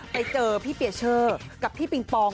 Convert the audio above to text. ไปเจอพี่เปียเชอร์กับพี่ปิงปอง